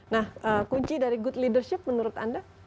nah kunci dari good leadership menurut anda